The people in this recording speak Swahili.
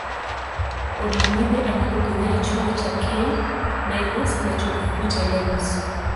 Olumide alihudhuria Chuo cha King, Lagos na Chuo Kikuu cha Lagos.